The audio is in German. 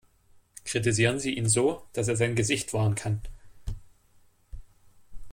Kritisieren Sie ihn so, dass er sein Gesicht wahren kann.